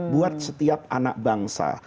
buat setiap anak bangsa